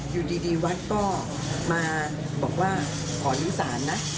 อยู่ดีวัดก็มาบอกว่าขออนุศาลนะ